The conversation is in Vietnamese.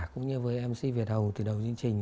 cũng như với mc việt hầu từ đầu chương trình